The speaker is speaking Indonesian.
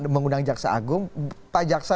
mengundang jaksa agung pak jaksa